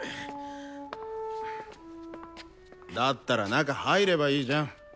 だったら中入ればいいじゃん。